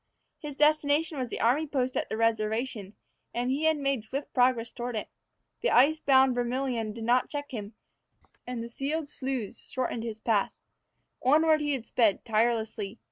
His destination was the army post at the reservation, and he had made swift progress toward it. The ice bound Vermilion did not check him, and the sealed sloughs shortened his path. Onward he had sped, tirelessly.